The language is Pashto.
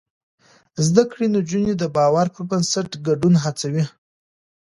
زده کړې نجونې د باور پر بنسټ ګډون هڅوي.